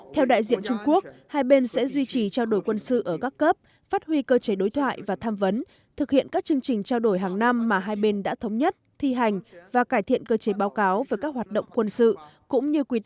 theo đại diện trung quốc hai bên sẽ duy trì trao đổi quân sự ở các cấp phát huy cơ chế đối thoại và tham vấn thực hiện các chương trình trao đổi hàng năm mà hai bên đã thống nhất thi hành và cải thiện cơ chế báo cáo về các hoạt động quân sự